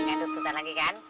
kan ga ada tutan lagi kan